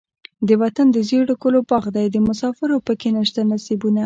وطن دزيړو ګلو باغ دے دمسافرو پکښې نيشته نصيبونه